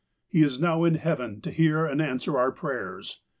" He is now in heaven to hear and answer our prayers.